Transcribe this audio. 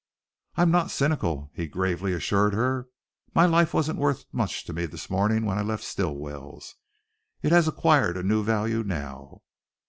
"I'm not cynical," he gravely assured her. "My life wasn't worth much to me this morning when I left Stilwell's. It has acquired a new value now."